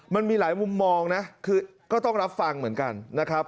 มันมีหลายมุมมองนะคือก็ต้องรับฟังเหมือนกันนะครับ